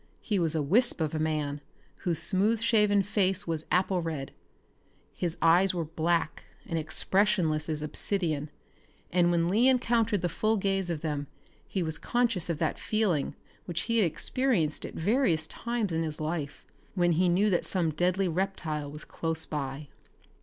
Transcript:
He was a wisp of a man whose smooth shaven face was apple red. His eyes were black and expressionless as obsidian, and when Lee encountered the full gaze of them he was conscious of that feeling which he had experienced at various times in his life when he knew that some deadly reptile was close by.